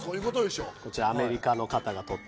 こちらアメリカの方が撮った写真。